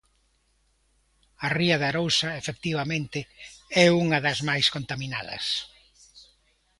A ría de Arousa, efectivamente, é unha das máis contaminadas.